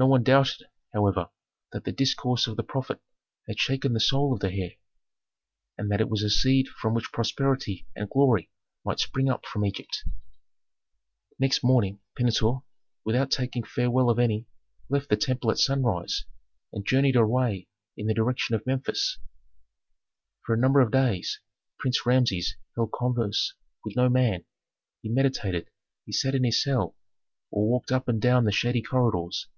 No one doubted, however, that the discourse of the prophet had shaken the soul of the heir, and that it was a seed from which prosperity and glory might spring up for Egypt. Next morning Pentuer, without taking farewell of any, left the temple at sunrise and journeyed away in the direction of Memphis. For a number of days Prince Rameses held converse with no man, he meditated; he sat in his cell, or walked up and down the shady corridors.